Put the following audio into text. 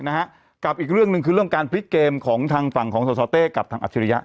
นะฮะกับอีกเรื่องหนึ่งคือเรื่องการพลิกเกมของทางฝั่งของสสเต้กับทางอัจฉริยะ